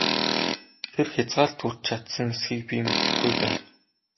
Тэр хязгаарт хүрч чадсан эсэхийг би мэдэхгүй байна!